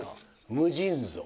無尽蔵。